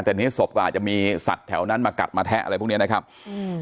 แต่เนี้ยศพก็อาจจะมีสัตว์แถวนั้นมากัดมาแทะอะไรพวกเนี้ยนะครับอืม